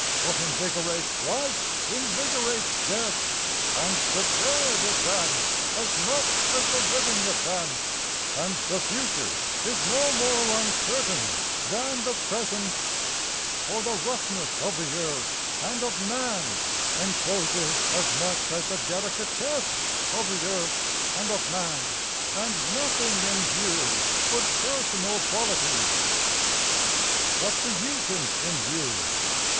What invigorates life invigorates death, And the dead advance as much as the living advance, And the future is no more uncertain than the present, For the roughness of the earth and of man encloses as much as the delicatesse of the earth and of man, And nothing endures but personal qualities. What do you think endures?